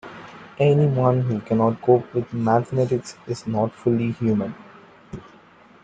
Anyone who cannot cope with mathematics is not fully human.